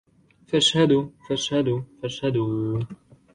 فاشهدوا فاشهدوا فاشهدوا